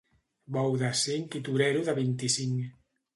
Bou de cinc i torero de vint-i-cinc.